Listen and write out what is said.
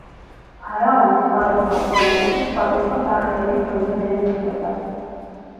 ფარაონი სხვადასხვა ვითარებაში სხვადასხვა სახელებით მოიხსენიებოდა.